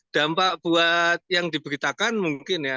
dampak buat yang diberitakan mungkin ya